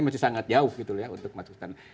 masih sangat jauh gitu loh ya untuk masuk sana